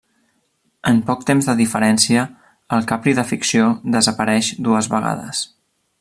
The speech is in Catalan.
En poc temps de diferència, el Capri de ficció desapareix dues vegades.